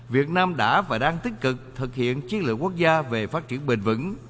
việt nam đã và đang tích cực thực hiện chiến lược quốc gia về phát triển bền vững